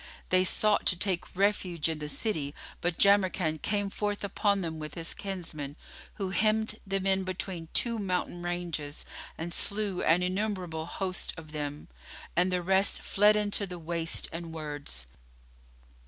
They sought to take refuge in the city; but Jamrkan came forth upon them with his kinsmen, who hemmed them in between two mountain ranges, and slew an innumerable host of them, and the rest fled into the wastes and wolds.